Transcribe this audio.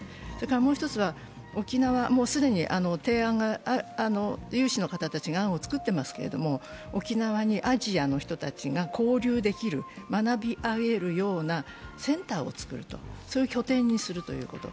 もう１つは、沖縄、もう既に有志の方たちが案を作っていますけれども、沖縄にアジアの人たちが交流できる、学び合えるようなセンターを作る、そういう拠点にするということ。